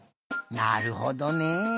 なるほどね。